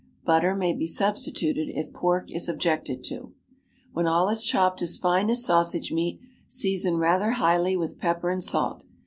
(Butter may be substituted if pork is objected to). When all is chopped as fine as sausage meat, season rather highly with pepper and salt.